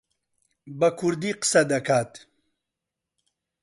بە کوردی قسە دەکات.